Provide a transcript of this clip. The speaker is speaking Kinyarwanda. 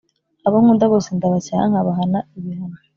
Abo nkunda bose ndabacyaha nkabahana ibihano